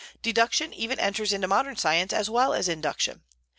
Deduction even enters into modern science as well as induction.